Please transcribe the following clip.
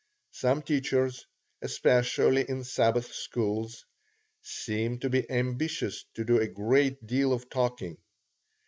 Some teachers, especially in Sabbath schools, seem to be ambitious to do a great deal of talking.